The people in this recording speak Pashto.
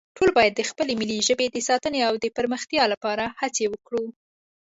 ټول باید د خپلې ملي ژبې د ساتنې او پرمختیا لپاره هڅې وکړو